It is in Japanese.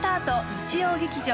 日曜劇場